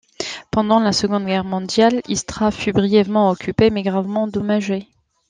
Pendant la Seconde Guerre mondiale, Istra fut brièvement occupée, mais gravement endommagée.